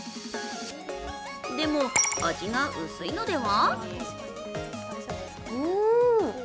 でも、味が薄いのでは？